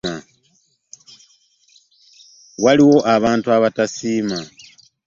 Waliwo abantu abatasiima.